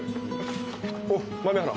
おう豆原。